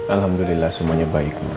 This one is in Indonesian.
alhamdulillah semuanya baik